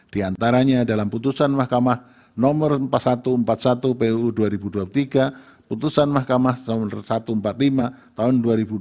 di antaranya dalam putusan mahkamah nomor empat puluh satu empat puluh satu puu dua ribu dua puluh tiga putusan mahkamah nomor satu ratus empat puluh lima tahun dua ribu dua puluh